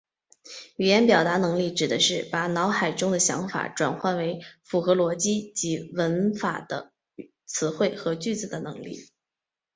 语言表达能力指的是把脑海中的想法转换为符合逻辑及文法的词汇和句子的能力。